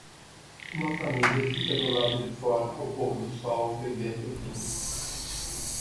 Uma família fica do lado de fora ao pôr do sol bebendo vinho